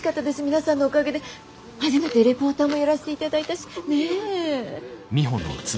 皆さんのおかげで初めてレポーターもやらせて頂いたしねぇ？